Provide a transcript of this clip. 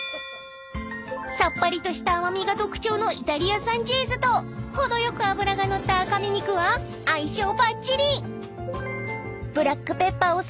［さっぱりとした甘味が特徴のイタリア産チーズと程よく脂が乗った赤身肉は相性ばっちり］